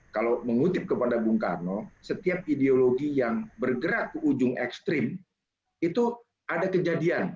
kalau mengutip kepada bung karno setiap ideologi yang bergerak ke ujung ekstrim itu ada kejadian